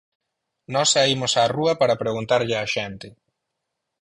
Nós saímos á rúa para preguntarlle a xente.